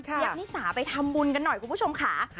ยับนิสาไปทำบุญกันหน่อยคุณผู้ชมค่ะ